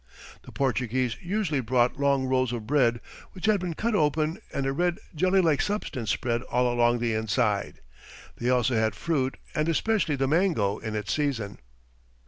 "The Portuguese usually brought long rolls of bread, which had been cut open and a red jelly like substance spread all along the inside. They also had fruit, and especially the mango in its season.